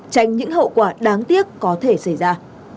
tránh những hậu quả đáng tiếc có thể xảy ra